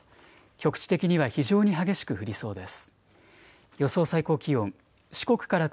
局地的には非常に激しく降りそうです。